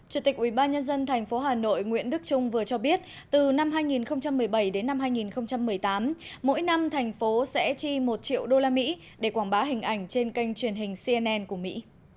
chủ tịch ubnd tp hà nội nguyễn đức trung vừa cho biết từ năm hai nghìn một mươi bảy đến năm hai nghìn một mươi tám mỗi năm thành phố sẽ chi một triệu usd để quảng bá hình ảnh trên kênh truyền hình cnn của mỹ